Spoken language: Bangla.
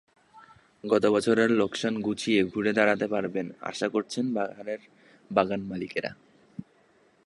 গত বছরের লোকসান গুছিয়ে ঘুরে দাঁড়াতে পারবেন আশা করছেন পাহাড়ের বাগানমালিকেরা।